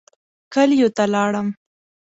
کلیو ته لاړم.